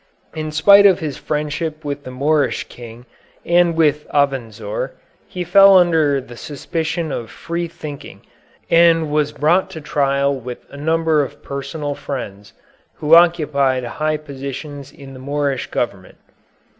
In spite of his friendship with the Moorish King and with Avenzoar, he fell under the suspicion of free thinking and was brought to trial with a number of personal friends, who occupied high positions in the Moorish government.